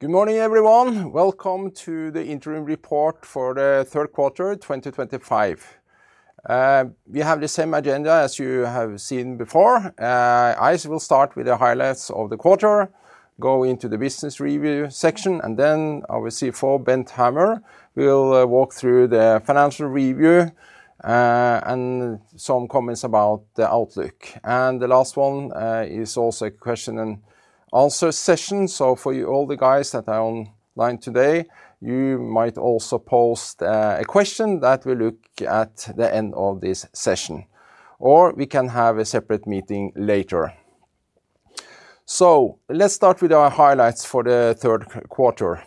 Good morning, everyone. Welcome to the Interim report for the third quarter 2025. We have the same agenda as you have seen before. I will start with the highlights of the quarter, go into the business review section, and then our CFO, Bent Hammer, will walk through the financial review and some comments about the outlook. The last one is also a question-and-answer session. For all the guys that are online today, you might also post a question that we look at at the end of this session, or we can have a separate meeting later. Let's start with our highlights for the third quarter.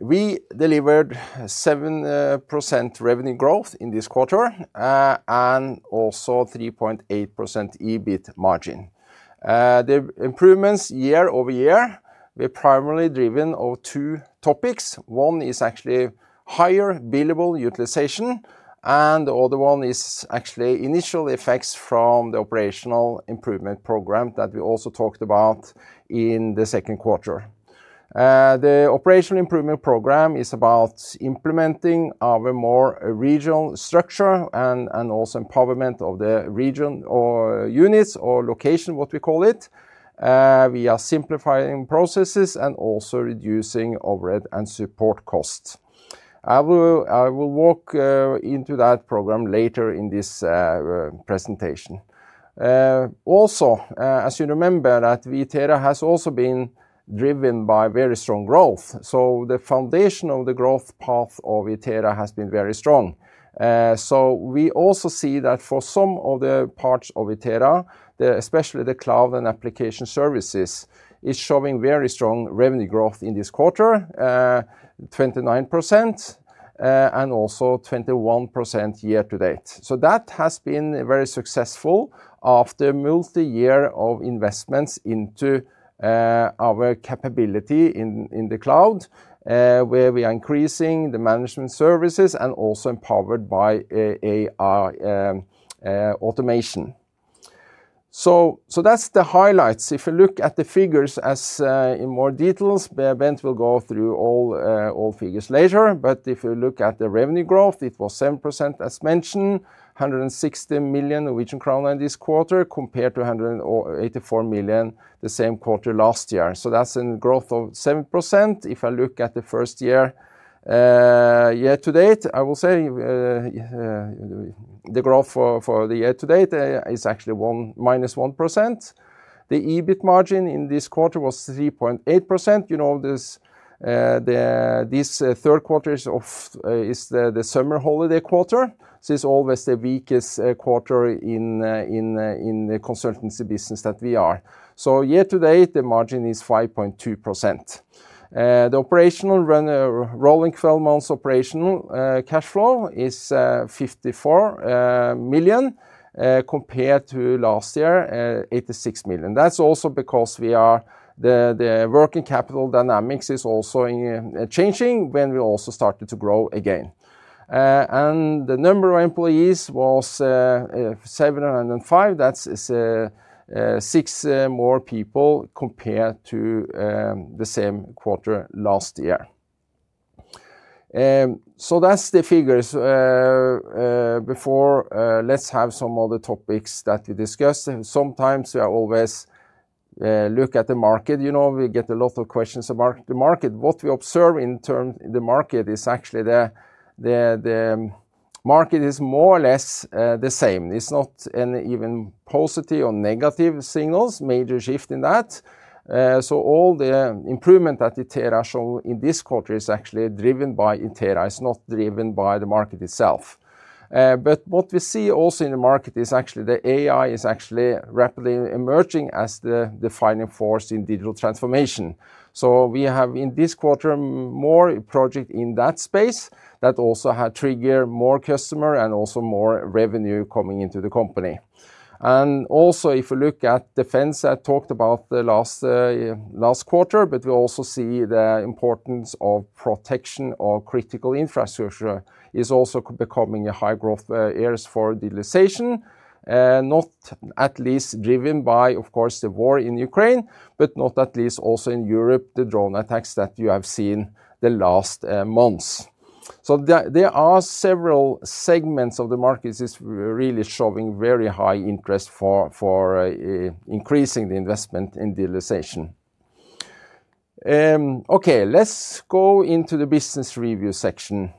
We delivered 7% revenue growth in this quarter and also 3.8% EBIT margin. The improvements year-over-year were primarily driven by two topics. One is actually higher billable utilization, and the other one is actually initial effects from the operational improvement program that we also talked about in the second quarter. The operational improvement program is about implementing a more regional structure and also empowerment of the region or units or location, what we call it, via simplifying processes and also reducing overhead and support costs. I will walk into that program later in this presentation. Also, as you remember, that Itera has also been driven by very strong growth. The foundation of the growth path of Itera has been very strong. We also see that for some of the parts of Itera, especially the cloud and application services, is showing very strong revenue growth in this quarter, 29% and also 21% year to date. That has been very successful after a multi-year of investments into our capability in the cloud, where we are increasing the management services and also empowered by AI automation. That's the highlights. If you look at the figures in more detail, Bent will go through all figures later. If you look at the revenue growth, it was 7% as mentioned, 160 million Norwegian crown in this quarter compared to 184 million the same quarter last year. That's a growth of 7%. If I look at the first year, year to date, I will say the growth for the year to date is actually minus 1%. The EBIT margin in this quarter was 3.8%. You know, this third quarter is the summer holiday quarter. This is always the weakest quarter in the consultancy business that we are. Year to date, the margin is 5.2%. The operational rolling 12 months operational cash flow is 54 million compared to last year, 86 million. That's also because the working capital dynamics is also changing when we also started to grow again. The number of employees was 705. That's six more people compared to the same quarter last year. That's the figures before. Let's have some other topics that we discuss. Sometimes we always look at the market. You know, we get a lot of questions about the market. What we observe in terms of the market is actually the market is more or less the same. It's not an even positive or negative signal, major shift in that. All the improvement that Itera showed in this quarter is actually driven by Itera, it's not driven by the market itself. What we see also in the market is actually the AI is actually rapidly emerging as the defining force in digital transformation. We have in this quarter more projects in that space that also have triggered more customers and also more revenue coming into the company. Also, if you look at the defense I talked about the last quarter, we also see the importance of protection of critical infrastructure is also becoming a high growth area for utilization, not at least driven by, of course, the war in Ukraine, but not at least also in Europe, the drone attacks that you have seen the last months. There are several segments of the market that are really showing very high interest for increasing the investment in utilization. Let's go into the business review section.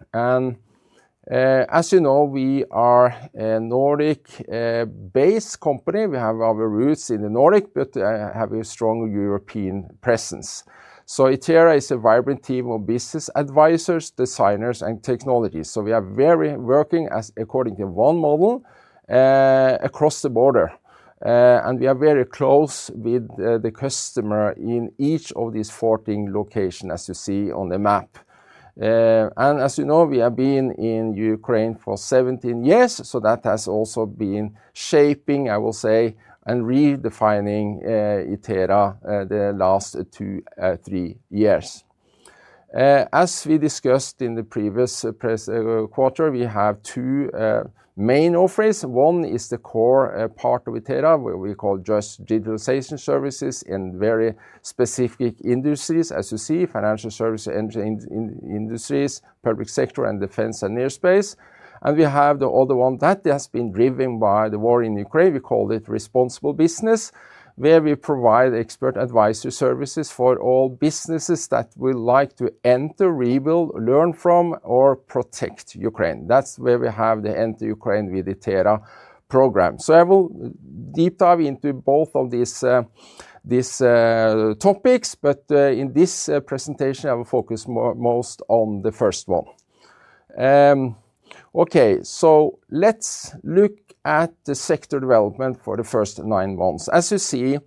As you know, we are a Nordic-based company. We have our roots in the Nordic, but we have a strong European presence. Itera is a vibrant team of business advisors, designers, and technologists. We are very working according to one model across the border. We are very close with the customer in each of these 14 locations, as you see on the map. As you know, we have been in Ukraine for 17 years. That has also been shaping, I will say, and redefining Itera the last two or three years. As we discussed in the previous quarter, we have two main offerings. One is the core part of Itera, what we call just digitalization services in very specific industries, as you see, financial services, energy industries, public sector, and defense and aerospace. We have the other one that has been driven by the war in Ukraine. We call it responsible business, where we provide expert advisory services for all businesses that would like to enter, rebuild, learn from, or protect Ukraine. That's where we have the Enter Ukraine with Itera program. I will deep dive into both of these topics, but in this presentation, I will focus most on the first one. Okay, let's look at the sector development for the first nine months. As you see,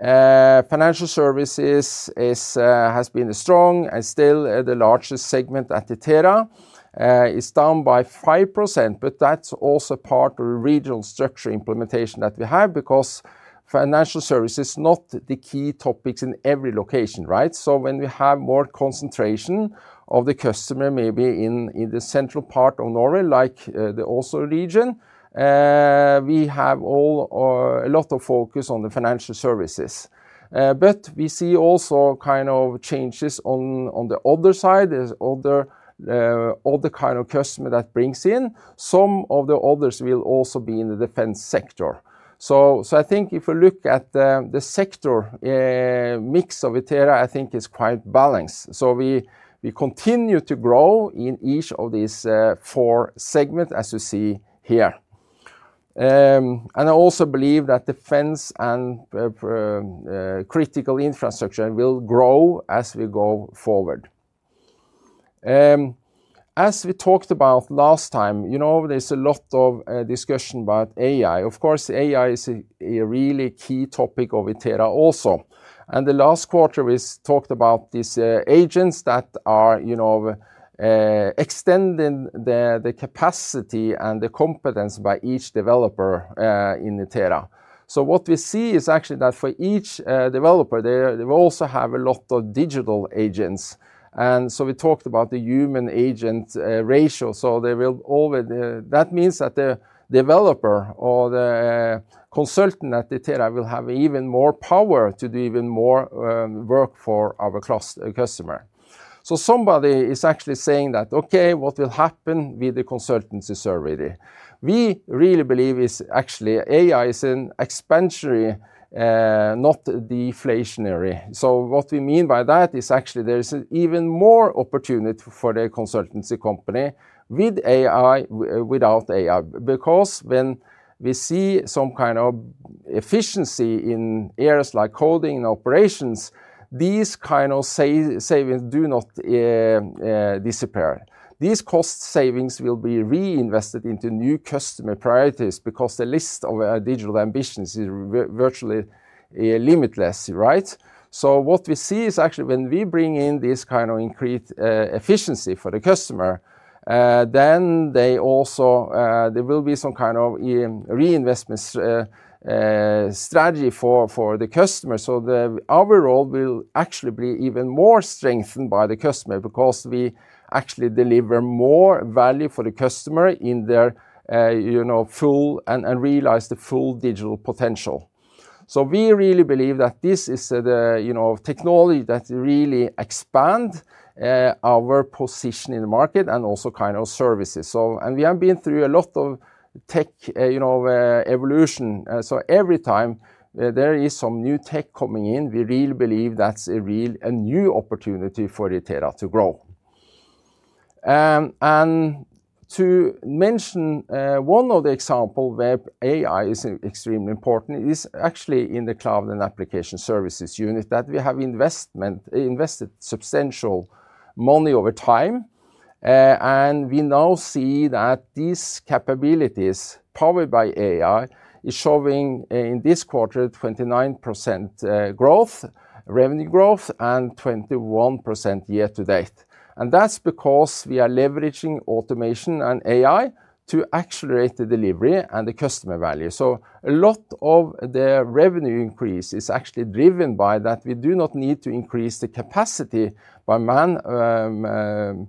financial services has been strong and still the largest segment at Itera is down by 5%. That's also part of the regional structure implementation that we have because financial services is not the key topic in every location, right? When we have more concentration of the customer, maybe in the central part of Norway, like the Oslo region, we have a lot of focus on the financial services. We see also kind of changes on the other side, the other kind of customer that brings in. Some of the others will also be in the defense sector. I think if we look at the sector mix of Itera, I think it's quite balanced. We continue to grow in each of these four segments, as you see here. I also believe that defense and critical infrastructure will grow as we go forward. As we talked about last time, there's a lot of discussion about AI. Of course, AI is a really key topic of Itera also. The last quarter, we talked about these agents that are extending the capacity and the competence by each developer in Itera. What we see is actually that for each developer, they will also have a lot of digital agents. We talked about the Human Agent Ratio. That means that the developer or the consultant at Itera will have even more power to do even more work for our customer. Somebody is actually saying that, okay, what will happen with the consultancy service? We really believe AI is an expansionary, not a deflationary. What we mean by that is actually there is even more opportunity for the consultancy company with AI, without AI. When we see some kind of efficiency in areas like coding operations, these kind of savings do not disappear. These cost savings will be reinvested into new customer priorities because the list of digital ambitions is virtually limitless, right? What we see is actually when we bring in this kind of increased efficiency for the customer, then there will be some kind of reinvestment strategy for the customer. Our role will actually be even more strengthened by the customer because we actually deliver more value for the customer in their full and realize the full digital potential. We really believe that this is the technology that really expands our position in the market and also kind of services. We have been through a lot of tech evolution. Every time there is some new tech coming in, we really believe that's a real new opportunity for Itera to grow. To mention one of the examples where AI is extremely important, it is actually in the cloud and application services unit that we have invested substantial money over time. We now see that these capabilities powered by AI are showing in this quarter 29% growth, revenue growth, and 21% year-to-date. That's because we are leveraging automation and AI to accelerate the delivery and the customer value. A lot of the revenue increase is actually driven by that. We do not need to increase the capacity by manpower,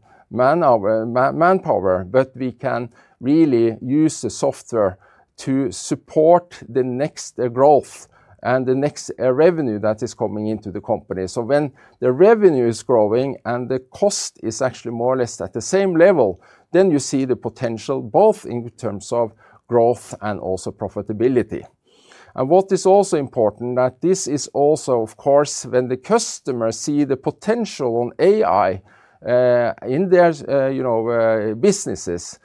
but we can really use the software to support the next growth and the next revenue that is coming into the company. When the revenue is growing and the cost is actually more or less at the same level, then you see the potential both in terms of growth and also profitability. What is also important is that this is also, of course, when the customers see the potential in AI in their businesses,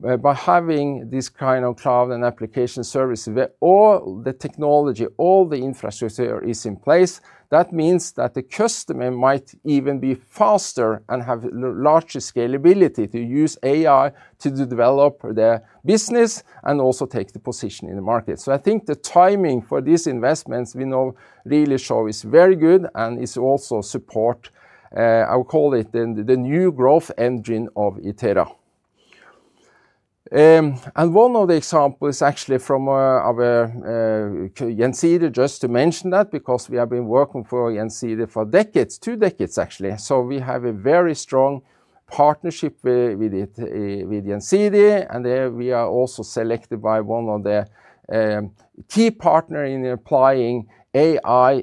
by having this kind of cloud and application services, where all the technology, all the infrastructure is in place, that means that the customer might even be faster and have larger scalability to use AI to develop their business and also take the position in the market. I think the timing for these investments we know really shows it's very good and it also supports, I would call it, the new growth engine of Itera. One of the examples is actually from our Gjensidige, just to mention that, because we have been working for Gjensidige for decades, two decades actually. We have a very strong partnership with Gjensidige, and we are also selected by one of the key partners in applying AI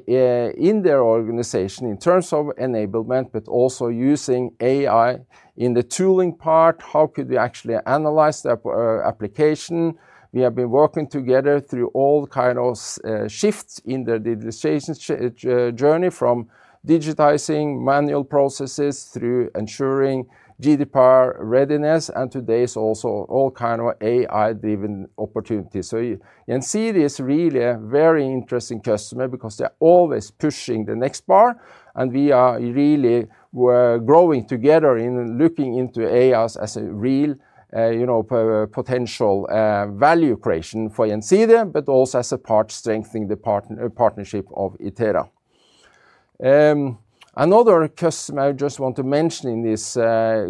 in their organization in terms of enablement, but also using AI in the tooling part. How could we actually analyze the application? We have been working together through all kinds of shifts in their digitization journey, from digitizing manual processes through ensuring GDPR readiness, and today is also all kinds of AI-driven opportunities. Gjensidige is really a very interesting customer because they are always pushing the next bar, and we are really growing together in looking into AI as a real, you know, potential value creation for [Yen Seed], but also as a part strengthening the partnership of Itera. Another customer I just want to mention in this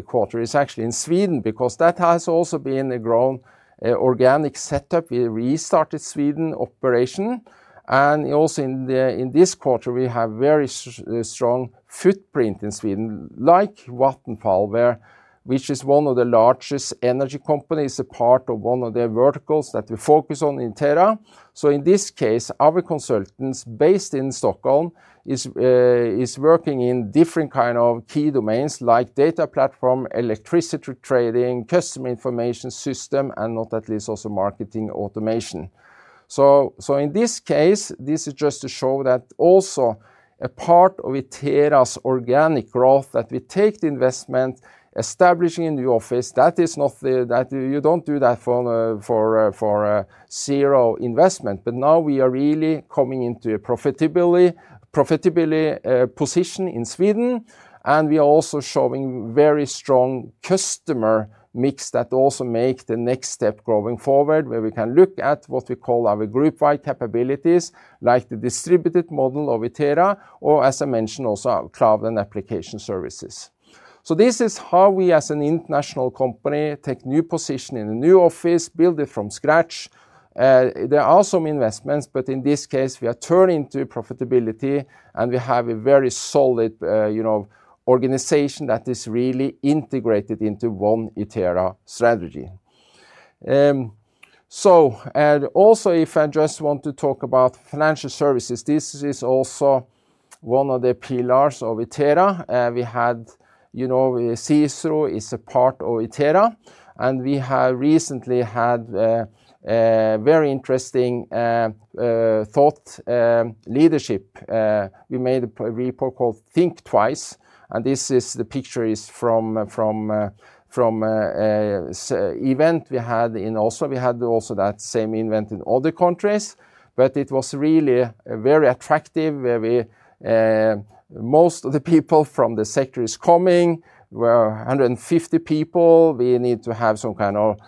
quarter is actually in Sweden, because that has also been a growing organic setup. We restarted Sweden operation, and also in this quarter we have a very strong footprint in Sweden, like Vattenfall, which is one of the largest energy companies, a part of one of the verticals that we focus on in Itera. In this case, our consultants based in Stockholm are working in different kinds of key domains like data platform, electricity trading, customer information system, and not at least also marketing automation. This is just to show that also a part of Itera's organic growth that we take the investment establishing a new office, that is not that you don't do that for zero investment, but now we are really coming into a profitability position in Sweden, and we are also showing a very strong customer mix that also makes the next step growing forward, where we can look at what we call our group-wide capabilities, like the distributed model of Itera, or as I mentioned, also cloud and application services. This is how we, as an international company, take a new position in a new office, build it from scratch. There are some investments, but in this case, we have turned into profitability, and we have a very solid, you know, organization that is really integrated into one Itera strategy. If I just want to talk about financial services, this is also one of the pillars of Itera. We had, you know, Cicero is a part of Itera, and we have recently had a very interesting thought leadership. We made a report called Think Twice, and this is the picture from an event we had in Oslo. We had also that same event in other countries, but it was really very attractive, where most of the people from the sector are coming. We were 150 people. We need to have some kind of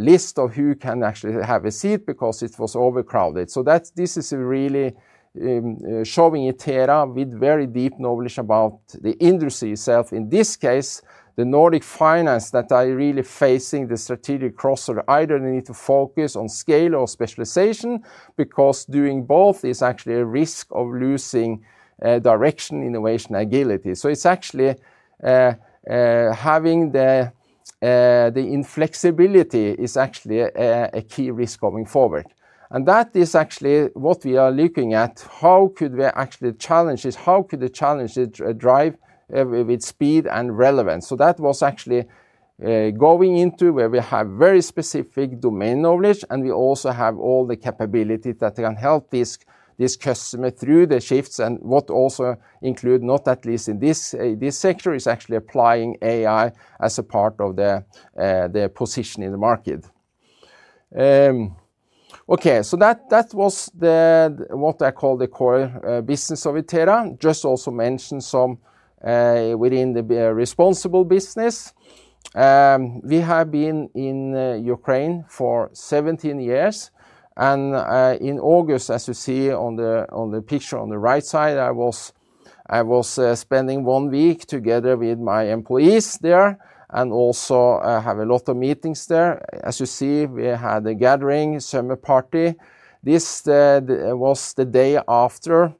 list of who can actually have a seat because it was overcrowded. This is really showing Itera with very deep knowledge about the industry itself. In this case, the Nordic finance that are really facing the strategic crossover. Either they need to focus on scale or specialization, because doing both is actually a risk of losing direction, innovation, and agility. It's actually having the inflexibility is actually a key risk going forward. That is actually what we are looking at. How could we actually challenge this? How could the challenges drive with speed and relevance? That was actually going into where we have very specific domain knowledge, and we also have all the capabilities that can help this customer through the shifts. What also includes, not at least in this sector, is actually applying AI integration as a part of their position in the market. That was what I call the core business of Itera. Just also mentioned some within the responsible business. We have been in Ukraine for 17 years, and in August, as you see on the picture on the right side, I was spending one week together with my employees there, and also I have a lot of meetings there. As you see, we had a gathering, summer party. This was the day after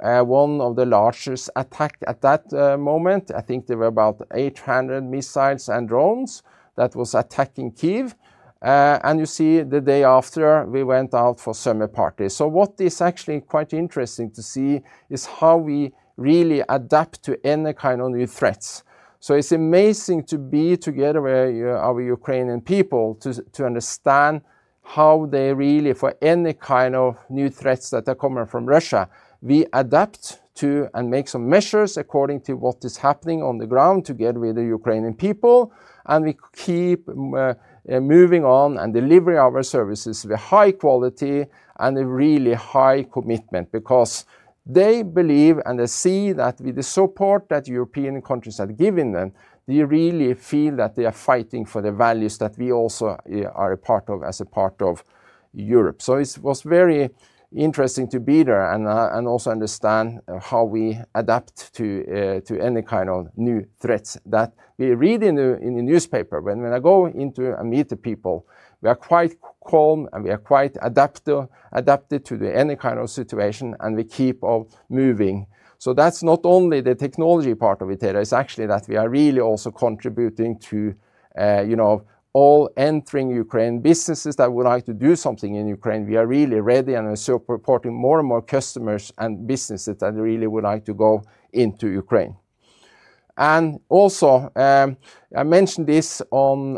one of the largest attacks at that moment. I think there were about 800 missiles and drones that were attacking Kyiv. The day after we went out for a summer party. What is actually quite interesting to see is how we really adapt to any kind of new threats. It's amazing to be together with our Ukrainian people to understand how they really, for any kind of new threats that are coming from Russia, we adapt to and make some measures according to what is happening on the ground together with the Ukrainian people. We keep moving on and delivering our services with high quality and a really high commitment because they believe and they see that with the support that European countries have given them, they really feel that they are fighting for the values that we also are a part of as a part of Europe. It was very interesting to be there and also understand how we adapt to any kind of new threats that we read in the newspaper. When I go into and meet the people, we are quite calm and we are quite adaptive to any kind of situation and we keep on moving. That's not only the technology part of Itera, it's actually that we are really also contributing to, you know, all entering Ukraine businesses that would like to do something in Ukraine. We are really ready and supporting more and more customers and businesses that really would like to go into Ukraine. I mentioned this in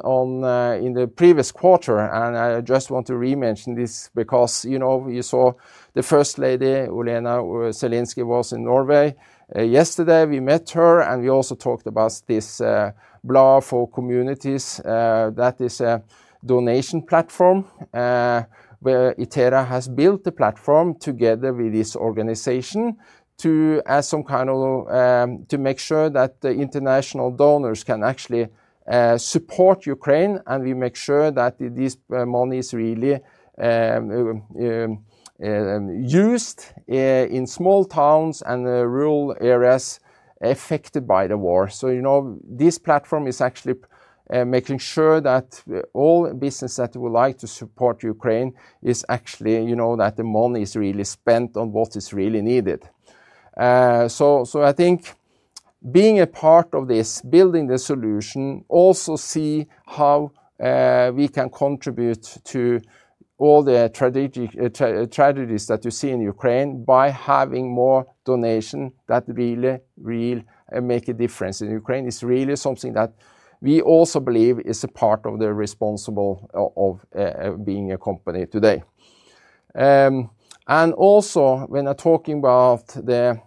the previous quarter and I just want to re-mention this because you saw the First Lady, Olena Zelenska, was in Norway yesterday. We met her and we also talked about this Bla4 Communities. That is a donation platform where Itera has built the platform together with this organization to make sure that the international donors can actually support Ukraine and we make sure that this money is really used in small towns and rural areas affected by the war. This platform is actually making sure that all businesses that would like to support Ukraine are actually, you know, that the money is really spent on what is really needed. I think being a part of this, building the solution, also see how we can contribute to all the tragedies that you see in Ukraine by having more donations that really make a difference in Ukraine. It's really something that we also believe is a part of the responsibility of being a company today. When I'm talking about the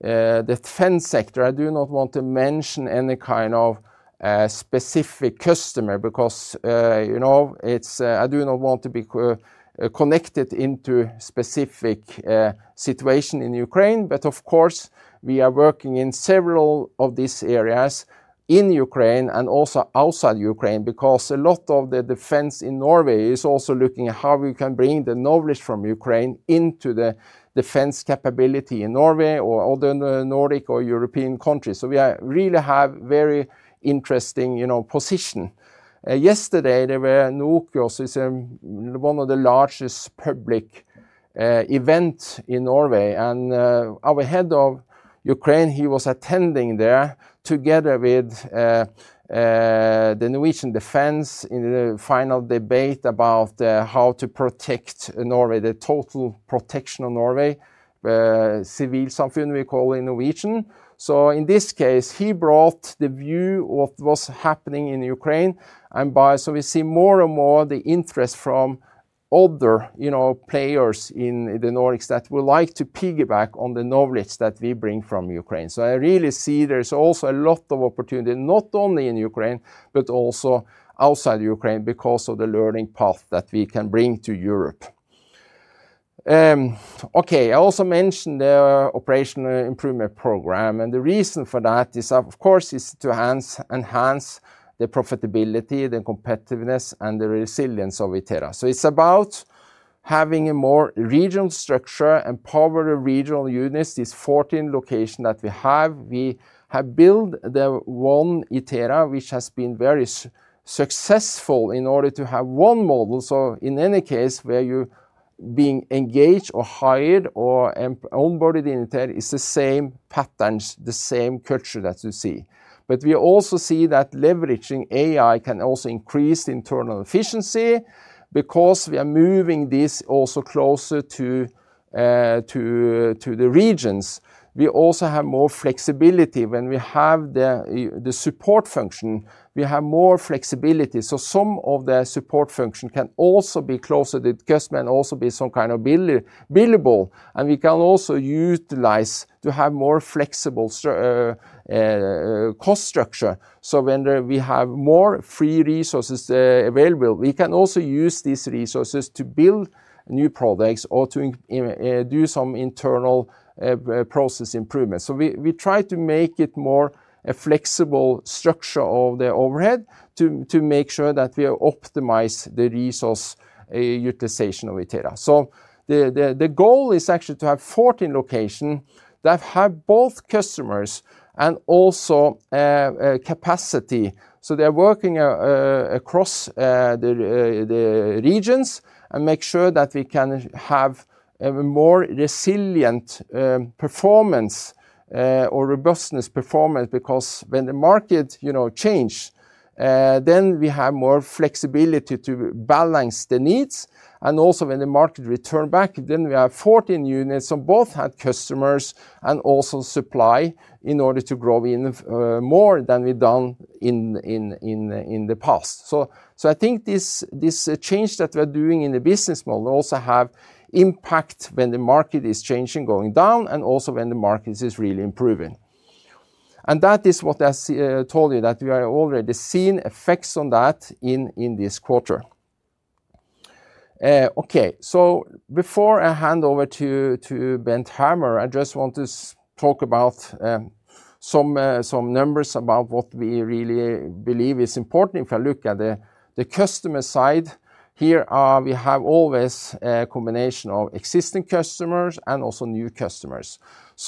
defense sector, I do not want to mention any kind of specific customer because I do not want to be connected into a specific situation in Ukraine. Of course, we are working in several of these areas in Ukraine and also outside Ukraine because a lot of the defense in Norway is also looking at how we can bring the knowledge from Ukraine into the defense capability in Norway or other Nordic or European countries. We really have a very interesting position. Yesterday, there were NOKIOS, which is one of the largest public events in Norway, and our Head of Ukraine, he was attending there together with the Norwegian defense in the final debate about how to protect Norway, the total protection of Norway, Civil [something], we call it in Norwegian. In this case, he brought the view of what was happening in Ukraine. By so we see more and more the interest from other players in the Nordics that would like to piggyback on the knowledge that we bring from Ukraine. I really see there's also a lot of opportunity, not only in Ukraine, but also outside Ukraine because of the learning path that we can bring to Europe. I also mentioned the operational improvement program, and the reason for that is, of course, to enhance the profitability, the competitiveness, and the resilience of Itera. It's about having a more regional structure, empowered regional units, these 14 locations that we have. We have built the one Itera, which has been very successful in order to have one model. In any case, where you're being engaged or hired or onboarded in Itera, it's the same patterns, the same culture that you see. We also see that leveraging AI can also increase the internal efficiency because we are moving this also closer to the regions. We also have more flexibility when we have the support function. We have more flexibility. Some of the support function can also be closer to the customer and also be some kind of billable, and we can also utilize to have more flexible cost structure. When we have more free resources available, we can also use these resources to build new products or to do some internal process improvements. We try to make it more a flexible structure of the overhead to make sure that we optimize the resource utilization of Itera. The goal is actually to have 14 locations that have both customers and also capacity. They're working across the regions and make sure that we can have a more resilient performance or robustness performance because when the market changes, then we have more flexibility to balance the needs. Also, when the market returns back, then we have 14 units on both customers and also supply in order to grow more than we've done in the past. I think this change that we're doing in the business model also has impact when the market is changing, going down, and also when the market is really improving. That is what I told you, that we are already seeing effects on that in this quarter. Okay, before I hand over to Bent Hammer, I just want to talk about some numbers about what we really believe is important. If I look at the customer side here, we have always a combination of existing customers and also new customers.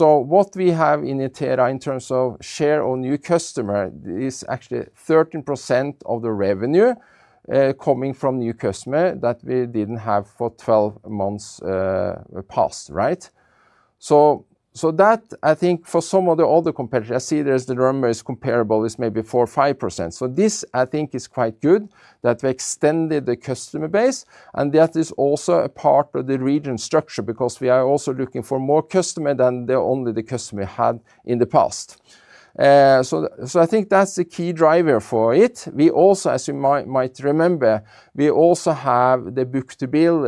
What we have in Itera in terms of share of new customers is actually 13% of the revenue coming from new customers that we didn't have for 12 months past, right? For some of the other competitors, I see there's the numbers comparable, it's maybe 4% or 5%. This I think is quite good that we extended the customer base, and that is also a part of the region structure because we are also looking for more customers than only the customer had in the past. I think that's the key driver for it. We also, as you might remember, we also have the book-to-bill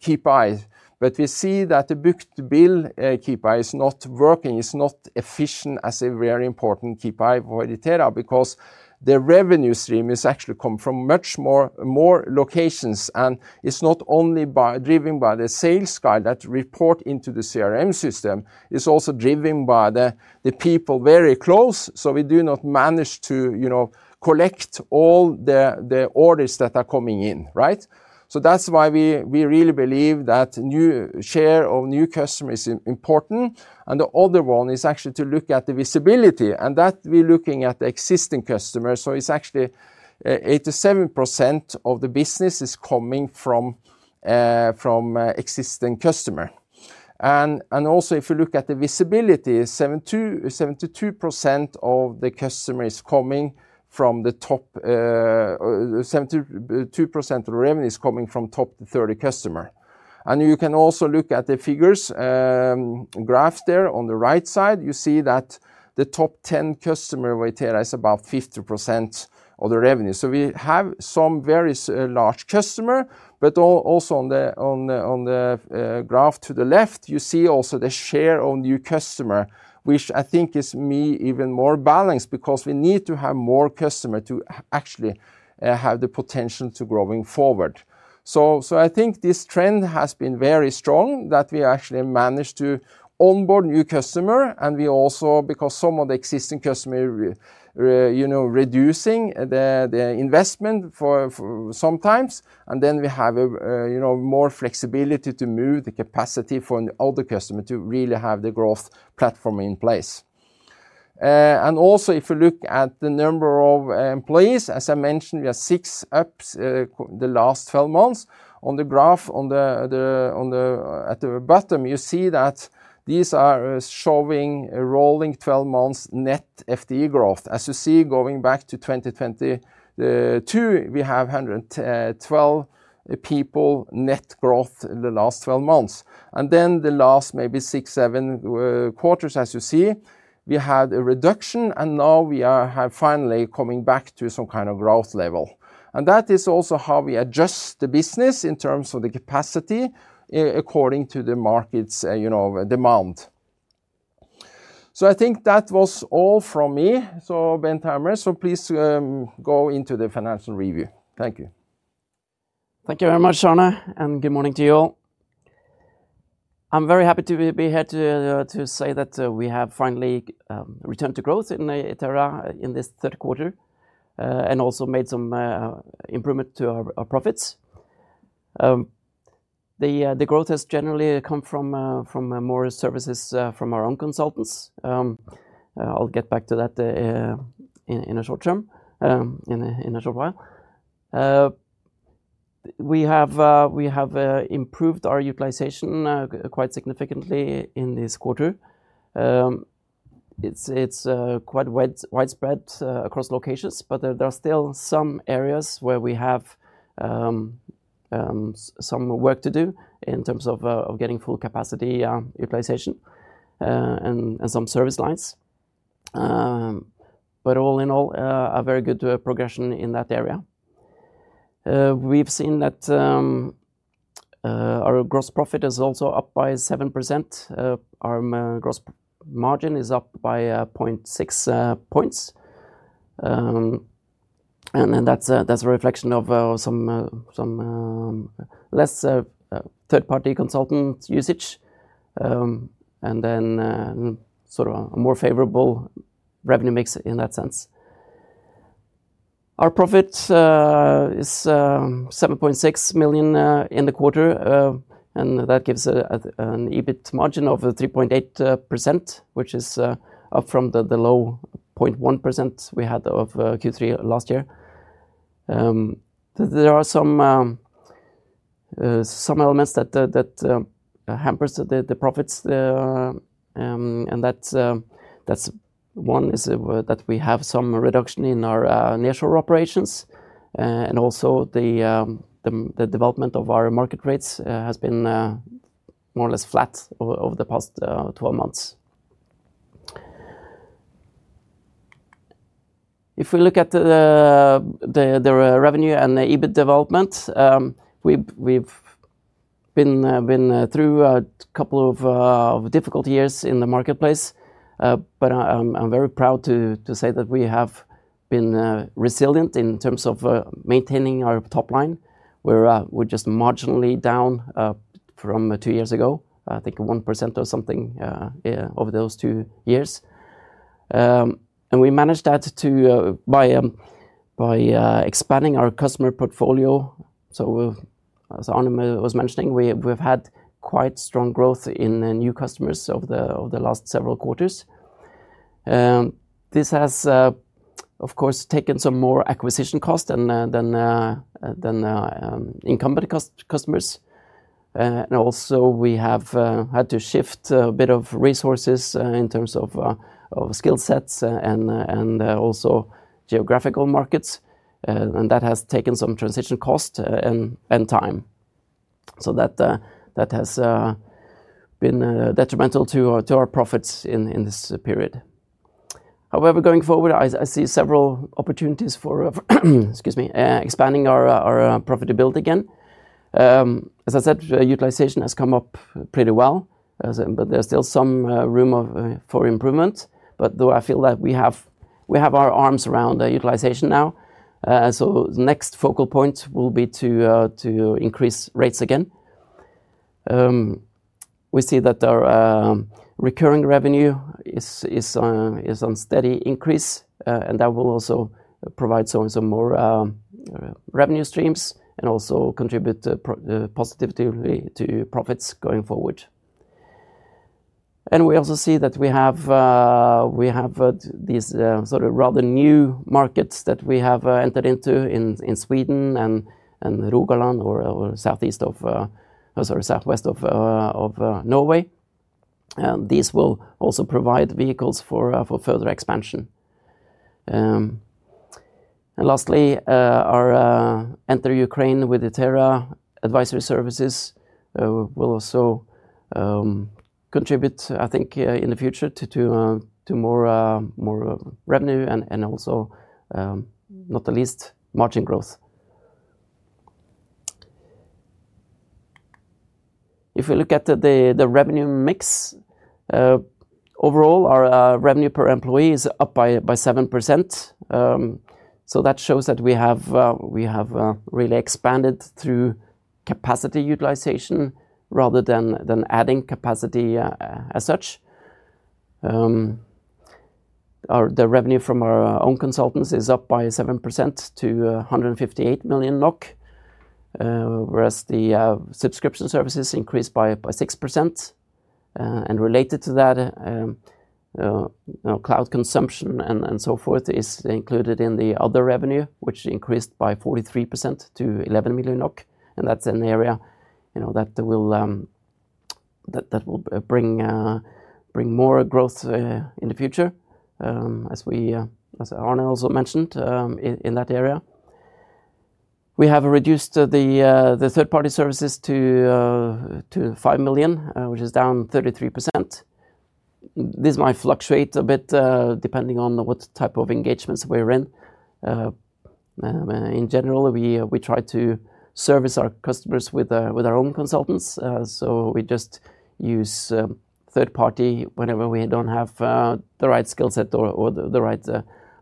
KPI, but we see that the book-to-bill KPI is not working, it's not efficient as a very important KPI for Itera because the revenue stream is actually coming from much more locations, and it's not only driven by the sales guy that reports into the CRM system, it's also driven by the people very close. We do not manage to collect all the orders that are coming in, right? That's why we really believe that new share of new customers is important, and the other one is actually to look at the visibility, and that we're looking at the existing customers. It's actually 87% of the business is coming from existing customers. If you look at the visibility, 72% of the revenue is coming from the top 30 customers. You can also look at the figures, graphs there on the right side, you see that the top 10 customers of Itera is about 50% of the revenue. We have some very large customers, but also on the graph to the left, you see also the share of new customers, which I think is even more balanced because we need to have more customers to actually have the potential to grow forward. I think this trend has been very strong that we actually managed to onboard new customers, and we also, because some of the existing customers, you know, reducing the investment for sometimes, and then we have more flexibility to move the capacity for the other customers to really have the growth platform in place. If you look at the number of employees, as I mentioned, we have six up the last 12 months. On the graph at the bottom, you see that these are showing rolling 12 months net FTE growth. As you see, going back to 2022, we have 112 people net growth in the last 12 months. The last maybe six, seven quarters, as you see, we had a reduction, and now we are finally coming back to some kind of growth level. That is also how we adjust the business in terms of the capacity according to the market's demand. I think that was all from me. Bent Hammer, please go into the financial review. Thank you. Thank you very much, Arne, and good morning to you all. I'm very happy to be here to say that we have finally returned to growth in Itera in this third quarter and also made some improvements to our profits. The growth has generally come from more services from our own consultants. I'll get back to that in a short while. We have improved our utilization quite significantly in this quarter. It's quite widespread across locations, but there are still some areas where we have some work to do in terms of getting full capacity utilization and some service lines. All in all, a very good progression in that area. We've seen that our gross profit is also up by 7%. Our gross margin is up by 0.6%. That's a reflection of some less third-party consultant usage and then sort of a more favorable revenue mix in that sense. Our profit is $7.6 million in the quarter, and that gives an EBIT margin of 3.8%, which is up from the low 0.1% we had in Q3 last year. There are some elements that hamper the profits, and one is that we have some reduction in our nearshore operations, and also the development of our market rates has been more or less flat over the past 12 months. If we look at the revenue and EBIT development, we've been through a couple of difficult years in the marketplace. I'm very proud to say that we have been resilient in terms of maintaining our top line, where we're just marginally down from two years ago, I think 1% or something over those two years. We managed that by expanding our customer portfolio. As Arne was mentioning, we've had quite strong growth in new customers over the last several quarters. This has, of course, taken some more acquisition costs than incumbent customers. We have had to shift a bit of resources in terms of skill sets and also geographical markets, and that has taken some transition costs and time. That has been detrimental to our profits in this period. However, going forward, I see several opportunities for expanding our profitability again. As I said, utilization has come up pretty well, but there's still some room for improvement. I feel that we have our arms around utilization now, so the next focal point will be to increase rates again. We see that our recurring revenue is on a steady increase, and that will also provide some more revenue streams and also contribute positively to profits going forward. We also see that we have these sort of rather new markets that we have entered into in Sweden and Rogaland, or Southwest of Norway. These will also provide vehicles for further expansion. Lastly, our Enter Ukraine with Itera advisory services will also contribute, I think, in the future to more revenue and also, not the least, margin growth. If we look at the revenue mix, overall, our revenue per employee is up by 7%. That shows that we have really expanded through capacity utilization rather than adding capacity as such. The revenue from our own consultants is up by 7% to 158 million NOK, whereas the subscription services increased by 6%. Related to that, cloud consumption and so forth is included in the other revenue, which increased by 43% to 11 million NOK. That's an area that will bring more growth in the future, as Arne also mentioned in that area. We have reduced the third-party services to 5 million, which is down 33%. This might fluctuate a bit depending on what type of engagements we're in. In general, we try to service our customers with our own consultants. We just use third party whenever we don't have the right skill set or the right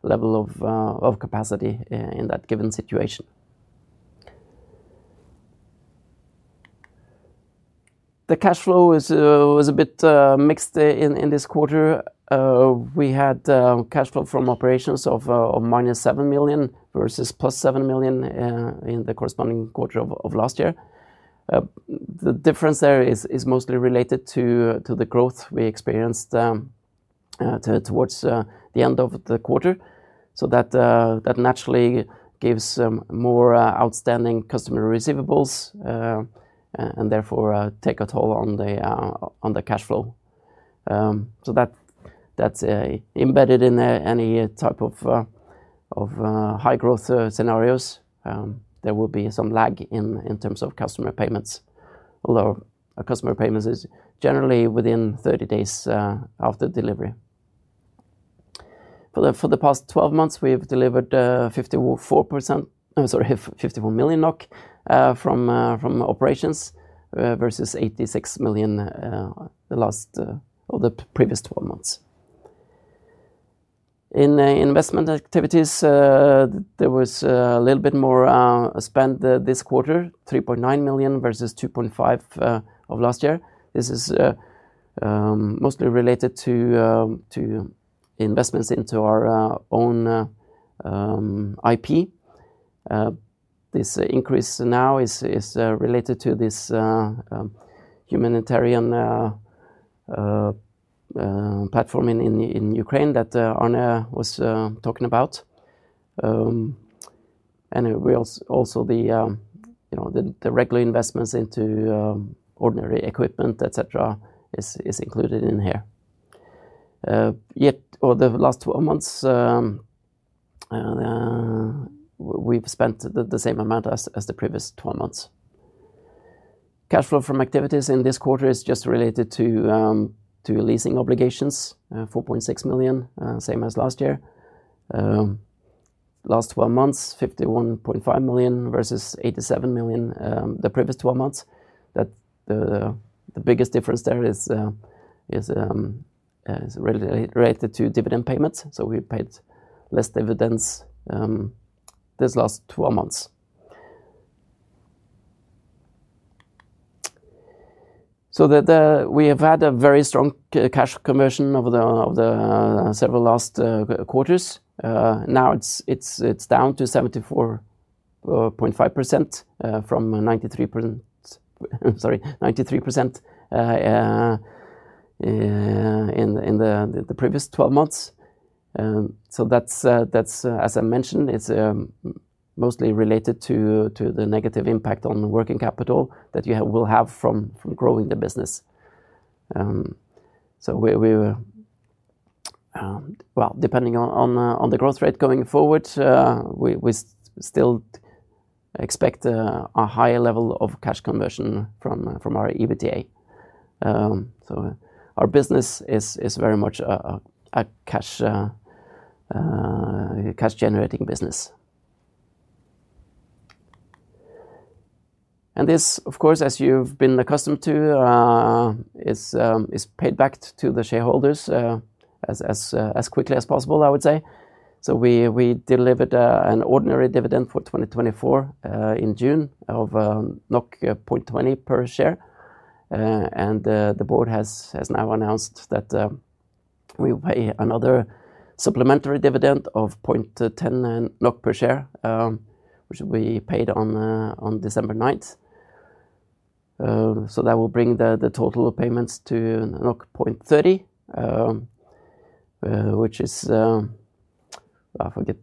level of capacity in that given situation. The cash flow was a bit mixed in this quarter. We had cash flow from operations of minus 7 million versus plus 7 million in the corresponding quarter of last year. The difference there is mostly related to the growth we experienced towards the end of the quarter. That naturally gives more outstanding customer receivables and therefore takes a toll on the cash flow. That's embedded in any type of high growth scenarios. There will be some lag in terms of customer payments, although customer payments are generally within 30 days after delivery. For the past 12 months, we've delivered 54 million NOK from operations versus 86 million in the previous 12 months. In investment activities, there was a little bit more spend this quarter, 3.9 million versus 2.5 million of last year. This is mostly related to investments into our own IP. This increase now is related to this humanitarian platform in Ukraine that Arne was talking about. The regular investments into ordinary equipment, etc., is included in here. Yet over the last 12 months, we've spent the same amount as the previous 12 months. Cash flow from activities in this quarter is just related to leasing obligations, 4.6 million, same as last year. Last 12 months, 51.5 million versus 87 million the previous 12 months. The biggest difference there is related to dividend payments. We paid less dividends these last 12 months. We have had a very strong cash conversion over the several last quarters. Now it's down to 74.5% from 93% in the previous 12 months. As I mentioned, it's mostly related to the negative impact on working capital that you will have from growing the business. Depending on the growth rate going forward, we still expect a higher level of cash conversion from our EBITDA. Our business is very much a cash-generating business. This, of course, as you've been accustomed to, is paid back to the shareholders as quickly as possible, I would say. We delivered an ordinary dividend for 2024 in June of 0.20 per share. The board has now announced that we pay another supplementary dividend of 0.10 NOK per share, which we paid on December 9th. That will bring the total payments to 0.30, which is, I forget,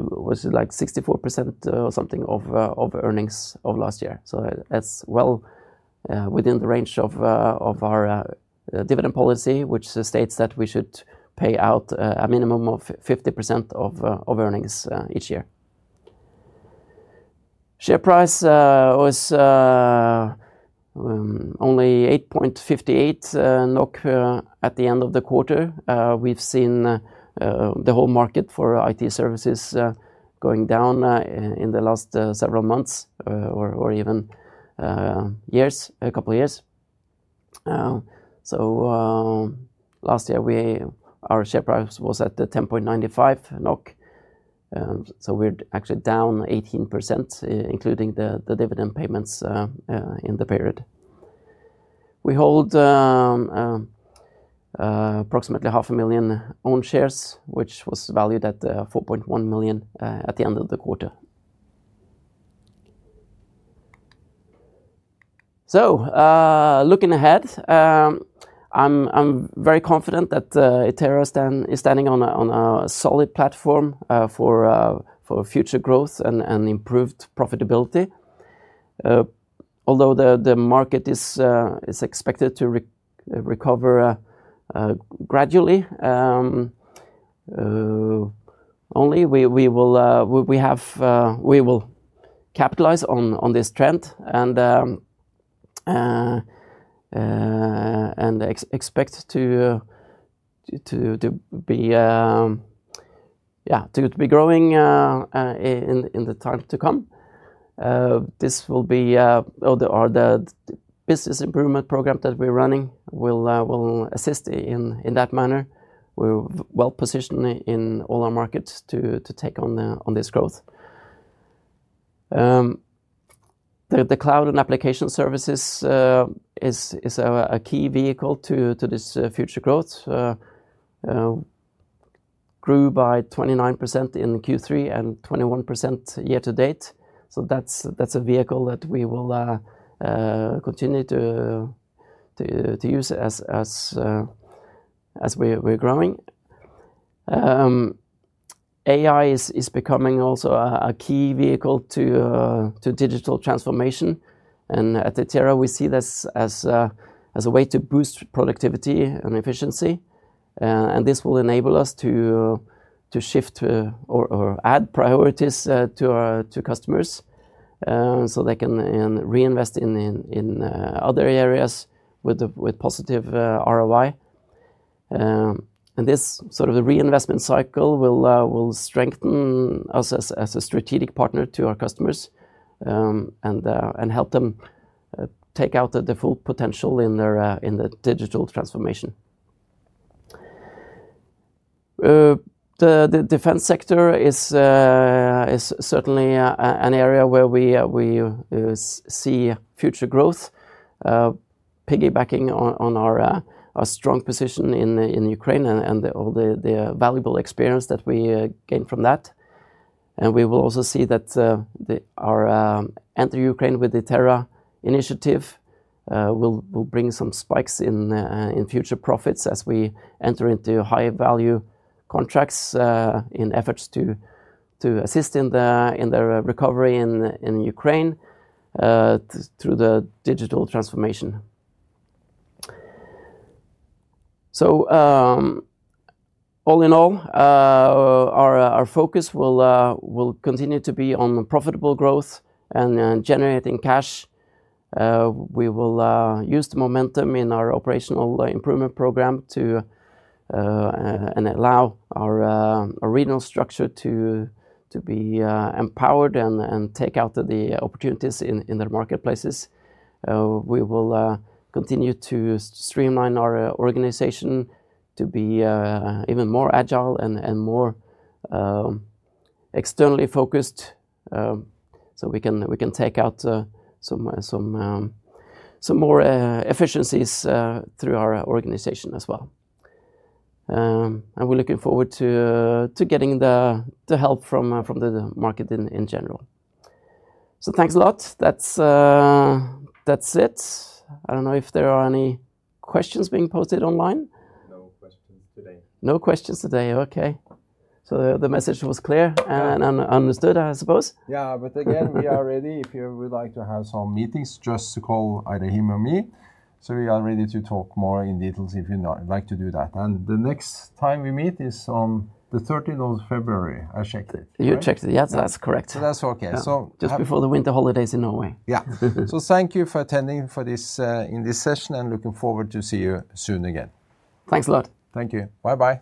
was it like 64% or something of earnings of last year. That's well within the range of our dividend policy, which states that we should pay out a minimum of 50% of earnings each year. Share price was only 8.58 NOK at the end of the quarter. We've seen the whole market for IT services going down in the last several months or even years, a couple of years. Last year, our share price was at 10.95 NOK. We're actually down 18%, including the dividend payments in the period. We hold approximately half a million owned shares, which was valued at 4.1 million at the end of the quarter. Looking ahead, I'm very confident that Itera is standing on a solid platform for future growth and improved profitability. Although the market is expected to recover gradually, we will capitalize on this trend and expect to be growing in the time to come. The business improvement program that we're running will assist in that manner. We're well positioned in all our markets to take on this growth. The cloud and application services is a key vehicle to this future growth. It grew by 29% in Q3 and 21% year-to-date. That's a vehicle that we will continue to use as we're growing. AI integration is becoming also a key vehicle to digital transformation. At Itera, we see this as a way to boost productivity and efficiency. This will enable us to shift or add priorities to customers so they can reinvest in other areas with positive ROI. This sort of reinvestment cycle will strengthen us as a strategic partner to our customers and help them take out the full potential in the digital transformation. The defense sector is certainly an area where we see future growth, piggybacking on our strong position in Ukraine and all the valuable experience that we gained from that. We will also see that our Enter Ukraine with Itera initiative will bring some spikes in future profits as we enter into high-value contracts in efforts to assist in their recovery in Ukraine through the digital transformation. All in all, our focus will continue to be on profitable growth and generating cash. We will use the momentum in our operational improvement program to allow our regional structure to be empowered and take out the opportunities in their marketplaces. We will continue to streamline our organization to be even more agile and more externally focused so we can take out some more efficiencies through our organization as well. We're looking forward to getting the help from the market in general. Thanks a lot. That's it. I don't know if there are any questions being posted online. No questions today. No questions today. Okay, the message was clear and understood, I suppose. We are ready. If you would like to have some meetings, just call either him or me. We are ready to talk more in detail if you'd like to do that. The next time we meet is on the 13th of February. I checked it. You checked it. Yeah, that's correct. That's okay. Just before the winter holidays in Norway. Thank you for attending this session and looking forward to seeing you soon again. Thanks a lot. Thank you. Bye-bye.